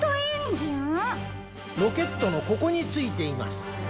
ロケットのここについています。